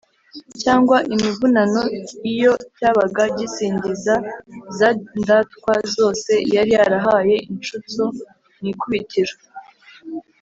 cyangwa imivunano iyo cyabaga gisingiza za ndatwa zose yari yarahaye inshutso mu ikubitiro.